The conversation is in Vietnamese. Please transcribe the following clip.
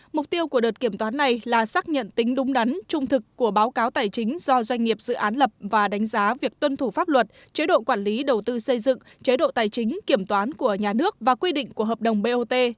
mục tiêu của đợt kiểm toán này là xác nhận tính đúng đắn trung thực của báo cáo tài chính do doanh nghiệp dự án lập và đánh giá việc tuân thủ pháp luật chế độ quản lý đầu tư xây dựng chế độ tài chính kiểm toán của nhà nước và quy định của hợp đồng bot